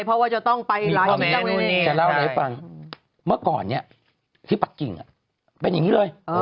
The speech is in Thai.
จะเล่าหน่อยให้ฟังเมื่อก่อนที่ปักกิงเป็นอย่างนี้เลย